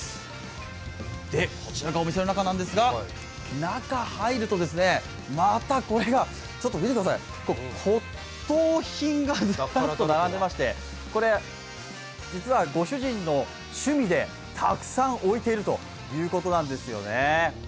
で、こちらがお店の中なんですが、中、入るとまたこれが、骨董品がずらっと並んでまして、実はご主人の趣味で、たくさん置いているということなんですよね。